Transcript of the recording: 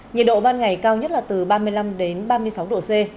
nhiệt độ ban ngày cao nhất là từ ba mươi năm đến ba mươi sáu độ c